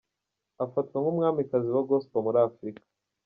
Afatwa nk'umwamikazi wa Gospel muri Afrika.